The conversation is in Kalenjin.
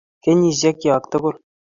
Kenyisiekyok tugul.